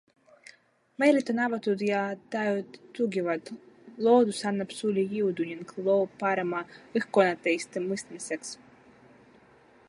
Meeled on avatud ja tajud tugevad, loodus annab sulle jõudu ning loob parema õhkkonna teiste mõistmiseks.